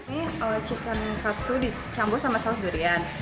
ini chicken katsu dicampur sama saus durian